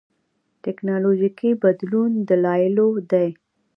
ټېکنالوژيکي بدلون دلایلو دي.